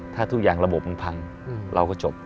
ถ้าทุกอย่างระบบมันพังเราก็จบ